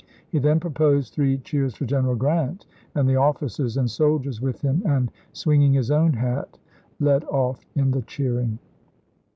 He then proposed three cheers for General Grant and the officers and soldiers with him, and, swing ing his own hat, led off in the cheering.